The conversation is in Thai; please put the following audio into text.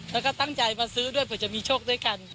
แล้วก็ตั้งใจมาซื้อด้วยเผื่อจะมีโชคด้วยกัน